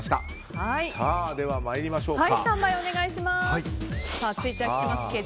では参りましょうか。